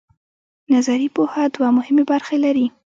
نظري پوهه دوه مهمې برخې لري.